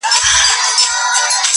ما جوړ کړی دی دربار نوم مي امیر دی٫